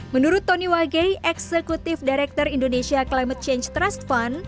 menurut tony wagei eksekutif director indonesia climate change trust fund